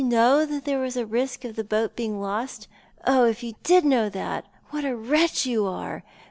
^^ 159 know that there was tlae risk of the boat being lost? Oh, if yoii did know that, wliat a wretch you are